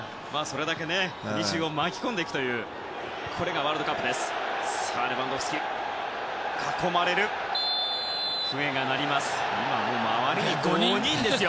それだけ国中を巻き込んでいくというこれがワールドカップです。